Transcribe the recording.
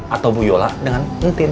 atau bu yola dengan ngting